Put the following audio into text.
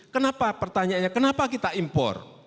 kenapa pertanyaannya kenapa kita impor